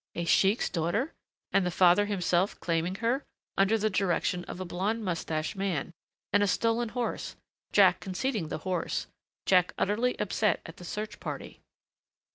A sheik's daughter! And the father himself claiming her under the direction of a blond mustached man.... And a stolen horse.... Jack conceding the horse.... Jack utterly upset at the search party....